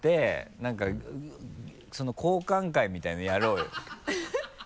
なんか交換会みたいなのやろうよ。